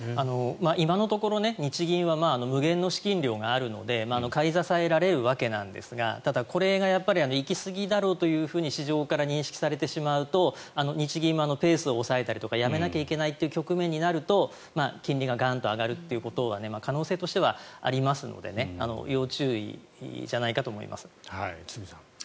今のところ日銀は無限の資金量があるので買い支えられるわけなんですがただ、これが行きすぎだろうと市場から認識されてしまうと日銀はペースを抑えたりとかやめなきゃいけない局面になると金利が、ガンと上がることは可能性としてはありますので堤さん。